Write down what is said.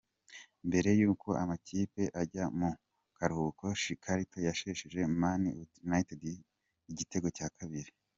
Mbere y’uko amakipe ajya mu karuhuko Chicharito yahesheje Man Utd igitego cya kabiri.